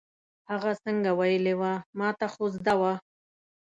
هغه څنګه ویلې وه، ما ته خو زده وه.